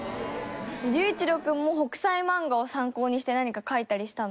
龍一郎君も『北斎漫画』を参考にして何か描いたりしたの？